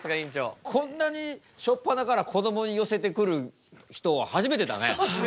こんなに初っぱなからこどもに寄せてくる人は初めてだね。